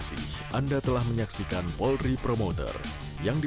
negara hidup masyarakat di kota kamu berada